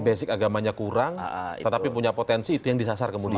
basic agamanya kurang tetapi punya potensi itu yang disasar kemudian